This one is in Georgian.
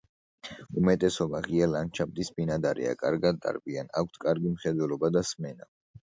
უმეტესობა ღია ლანდშაფტის ბინადარია, კარგად დარბიან, აქვთ კარგი მხედველობა და სმენა.